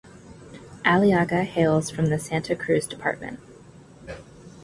Aliaga hails from the Santa Cruz Department.